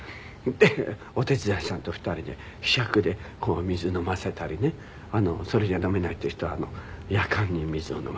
でお手伝いさんと２人でひしゃくで水飲ませたりねそれじゃ飲めないっていう人はやかんに水を飲ませたりして。